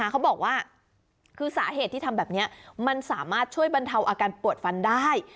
เขาบอกว่าคือสาเหตุที่ทำแบบนี้มันสามารถช่วยบรรเทาอาการปวดฟันได้